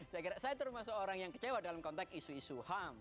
saya kira saya termasuk orang yang kecewa dalam konteks isu isu ham